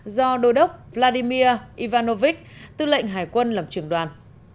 do đô đốc vladimir ivanovich tư lệnh hải quân làm trưởng đoàn